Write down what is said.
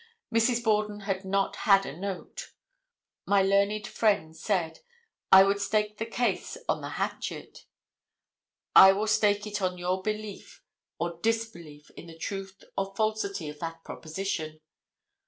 Mrs. Borden had not had a note. My learned friend said, "I would stake the case on the hatchet." I will stake it on your belief or disbelief in the truth or falsity of that proposition.